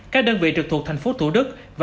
các đơn vị trực thuộc tp tq